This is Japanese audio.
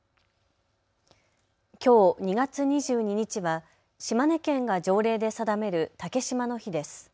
きょう２月２２日は島根県が条例で定める竹島の日です。